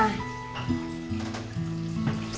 kalau gak keberatan mah